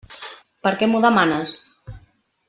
Per què m'ho demanes?